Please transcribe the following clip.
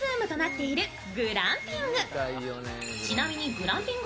グランピング